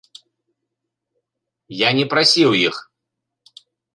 Я не прасіў іх!